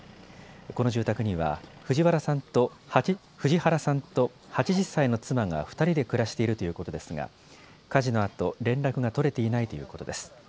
この住宅には藤原さんと８０歳の妻が２人で暮らしているということですが火事のあと連絡が取れていないということです。